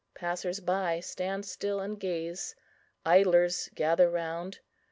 Passers by stand still and gaze; idlers gather round.